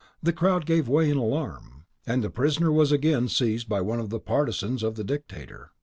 The crowd gave way in alarm, and the prisoner was again seized by one of the partisans of the Dictator.